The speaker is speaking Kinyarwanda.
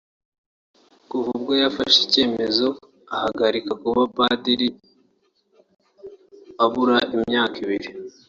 Kuva ubwo yafashe icyemezo ahagarika kuba padiri abura imyaka ibiri